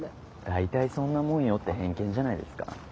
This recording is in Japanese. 「大体そんなもんよ」って偏見じゃないですか？